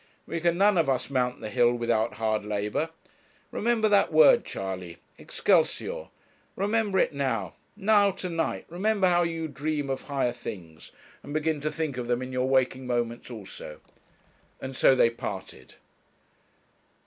We can none of us mount the hill without hard labour. Remember that word, Charley Excelsior! Remember it now now, to night; remember how you dream of higher things, and begin to think of them in your waking moments also;' and so they parted.